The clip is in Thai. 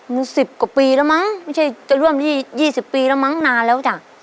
มัน๑๐กว่าปีแล้วมั้งไม่ใช่จะร่วมนี่๒๐ปีแล้วมั้งนานแล้วจ้ะ